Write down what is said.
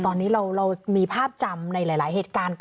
ตอนนี้เรามีภาพจำในหลายเหตุการณ์